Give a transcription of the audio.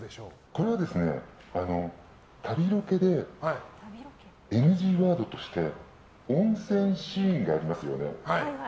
これは旅ロケでＮＧワードとして温泉シーンがありますよね。